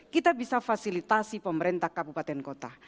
kita bisa fasilitasi pemerintah kabupaten kota